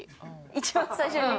一番最初に？